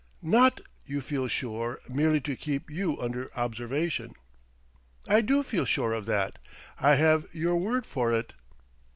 "Not you feel sure merely to keep you under observation?" "I do feel sure of that. I have your word for it."